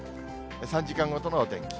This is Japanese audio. ３時間ごとのお天気。